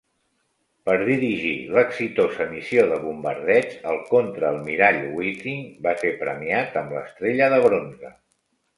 Per dirigir l'exitosa missió de bombardeig, el contraalmirall Whiting va ser premiat amb l'estrella de bronze.